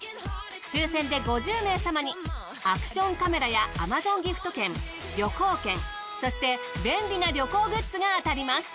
抽選で５０名様にアクションカメラやＡｍａｚｏｎギフト券旅行券そして便利な旅行グッズが当たります。